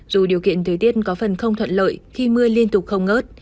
dù điều kiện thời tiết có phần không thuận lợi khi mưa liên tục không ngớt